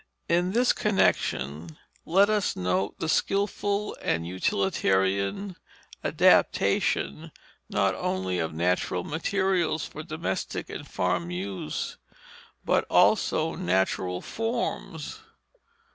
In this connection, let us note the skilful and utilitarian adaptation not only of natural materials for domestic and farm use, but also natural forms.